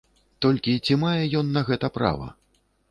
Толькі ці мае ён на гэта права?